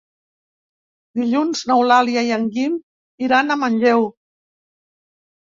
Dilluns n'Eulàlia i en Guim iran a Manlleu.